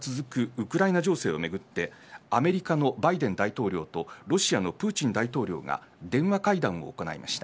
ウクライナ情勢をめぐってアメリカのバイデン大統領とロシアのプーチン大統領が電話会談を行いました。